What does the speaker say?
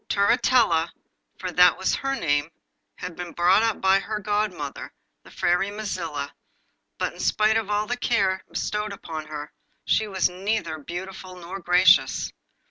Turritella, for that was her name, had been brought up by her godmother, the Fairy Mazilla, but in spite of all the care bestowed upon her, she was neither beautiful nor gracious.